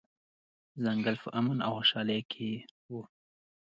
ځنګل په امن او خوشحالۍ کې و.